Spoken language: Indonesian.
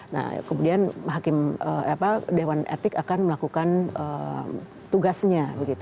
nah kemudian dewan etik akan melakukan tugasnya